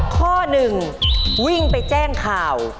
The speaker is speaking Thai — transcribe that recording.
ข้อหนึ่งวิ่งไปแจ้งข่าว